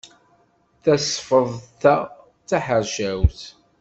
Tasfeḍt-a d taḥercawt.